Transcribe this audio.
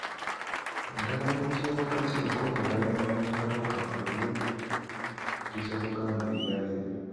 Gavumenti ya wakati yakola endagaano ne Kabaka ku by'okuddiza Buganda ebyayo.